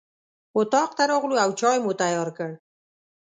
اطاق ته راغلو او چای مو تیار کړ.